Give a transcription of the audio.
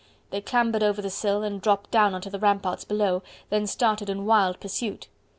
They clambered over the sill and dropped down on to the ramparts below, then started in wild pursuit.